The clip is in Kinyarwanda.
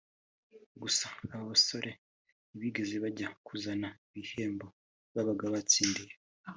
Gusa aba bose ntibigeze bajya kuzana ibi bihembo babaga batsindiye